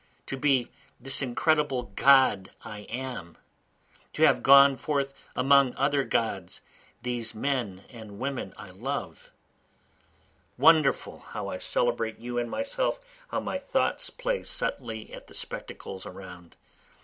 To be this incredible God I am! To have gone forth among other Gods, these men and women I love. Wonderful how I celebrate you and myself How my thoughts play subtly at the spectacles around!